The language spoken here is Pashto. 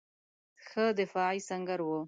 ښه دفاعي سنګر وي.